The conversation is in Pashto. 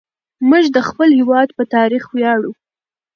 موږ د خپل هېواد په تاريخ وياړو.